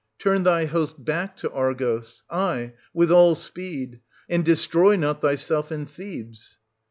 Turn thy host back to Argos, — aye, with all speed, — and destroy not thyself and Thebes.